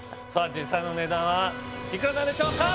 実際の値段はいくらなんでしょうか？